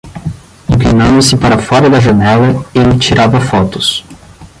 Inclinando-se para fora da janela, ele tirava fotos.